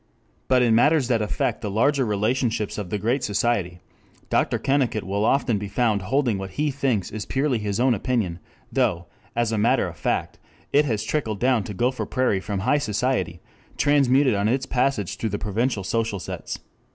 But in matters that effect the larger relationships of the Great Society, Dr. Kennicott will often be found holding what he thinks is purely his own opinion, though, as a matter of fact, it has trickled down to Gopher Prairie from High Society, transmuted on its passage through the provincial social sets.